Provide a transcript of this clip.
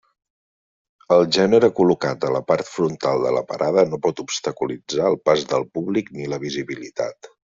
El gènere col·locat a la part frontal de la parada no pot obstaculitzar el pas del públic ni la visibilitat.